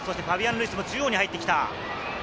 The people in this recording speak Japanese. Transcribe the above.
ファビアン・ルイスも中央に入ってきた。